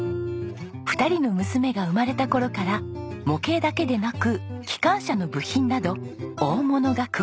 ２人の娘が生まれた頃から模型だけでなく機関車の部品など大物が加わり始めます。